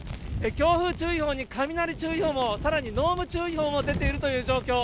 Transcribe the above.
強風注意報に雷注意報、さらに濃霧注意報も出ているという状況。